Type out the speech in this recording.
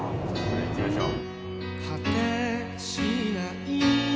行きましょう。